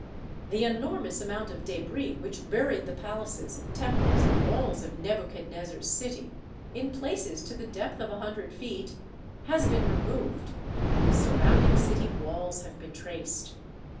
The enor mous amount of debris which buried the palaces and temples and walls of Nebuchadnezzar's city, in places to the depth of a hundred feet, has been removed, and the surrounding city walls have been traced.